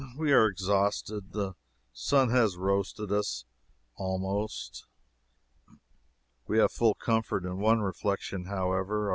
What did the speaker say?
We are exhausted. The sun has roasted us, almost. We have full comfort in one reflection, however.